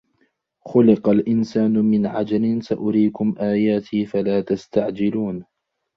خُلِقَ الْإِنْسَانُ مِنْ عَجَلٍ سَأُرِيكُمْ آيَاتِي فَلَا تَسْتَعْجِلُونِ